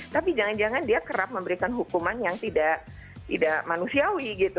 tapi jangan jangan dia kerap memberikan hukuman yang tidak manusiawi gitu